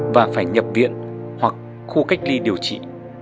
bạn sẽ phải nhập viện hoặc khu cách ly điều trị